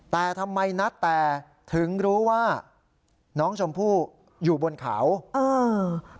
แต่ทำไมนัดแต่ถึงรู้ว่าน้องชมพู่อยู่บนเขาเออ